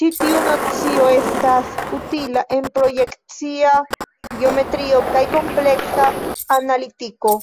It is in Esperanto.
Ĉi tiu nocio estas utila en projekcia geometrio kaj kompleksa analitiko.